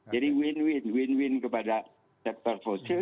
jadi win win win win kepada sektor fosil